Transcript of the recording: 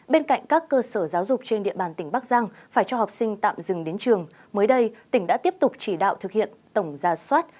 bên cạnh các cơ sở giáo dục trên địa bàn tỉnh bắc giang phải cho học sinh tạm dừng đến trường mới đây tỉnh đã tiếp tục chỉ đạo thực hiện tổng ra soát